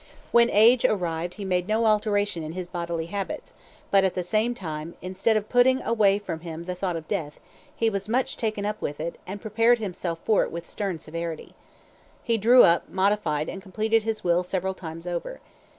When age arrived he made no alteration in his bodily habits; but, at the same time, instead of putting away from him the thought of death, he was much taken up with it, and prepared himself for it with stern severity. He drew up, modified, and completed his will several times over.